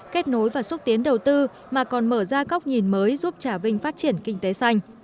kết nối và xúc tiến đầu tư mà còn mở ra góc nhìn mới giúp trà vinh phát triển kinh tế xanh